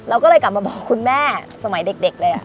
เราก็เลยกลับมาบอกคุณแม่สมัยเด็กเลย